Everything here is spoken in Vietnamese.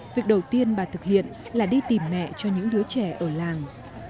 việc đầu tiên bà thực hiện là đi tìm mẹ cho những đứa trẻ ở làng